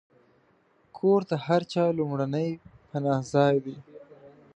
کور د هر چا لومړنی پناهځای دی.